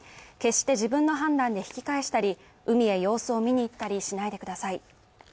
決して自分の判断で引き返したり海や様子を見に行ったりしないでください。